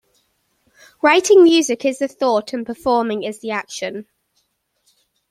Writing music is the thought and performing is the action.